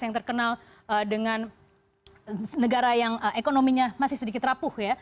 yang terkenal dengan negara yang ekonominya masih sedikit rapuh ya